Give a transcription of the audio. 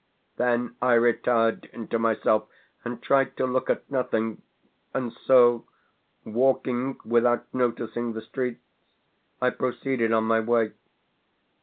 Then I retired into myself, and tried to look at nothing; and so, walking without noticing the streets, I proceeded on my way.